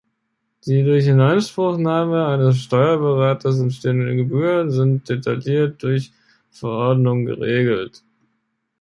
Die durch Inanspruchnahme eines Steuerberaters entstehenden Gebühren sind detailliert durch Verordnung geregelt.